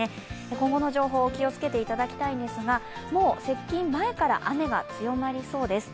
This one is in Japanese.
今後の情報、気をつけていただきたいんですがもう接近前から雨が強まりそうです。